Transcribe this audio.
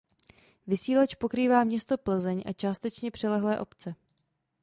Vysílač pokrývá město Plzeň a částečně přilehlé obce.